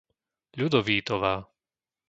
Ľudovítová